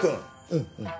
うんうん。